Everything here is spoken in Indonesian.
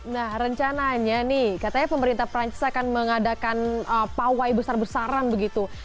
nah rencananya nih katanya pemerintah perancis akan mengadakan pawai besar besaran begitu